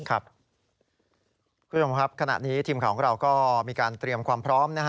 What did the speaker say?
คุณผู้ชมครับขณะนี้ทีมข่าวของเราก็มีการเตรียมความพร้อม